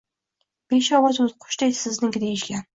Beshovi to‘tiqushday sizniki deyishgan.